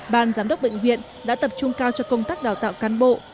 ban giám đốc bệnh viện đã tập trung cao cho công tác đào tạo cán bộ